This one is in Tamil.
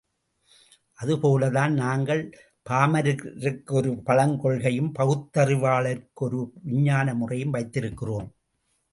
அது போலத்தான் நாங்கள் பாமரருக்கொரு பழங் கொள்கையும், பகுத்தறிவாளர்க்கொரு விஞ்ஞான முறையும் வைத்திருக்கிறோம்.